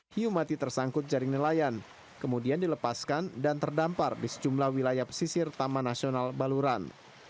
hiu mati tersangkut jaring nelayan kemudian dilepaskan dan terdampar di sejumlah wilayah pesisir taman nasional baluran